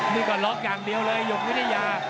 นี่ก็ล็อกอย่างเดียวเลยหยกวิทยา